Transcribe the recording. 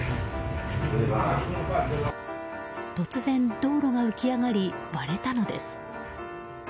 突然、道路が浮き上がり割れたのです。